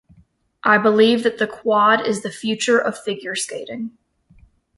I believe that the quad is the future of figure skating.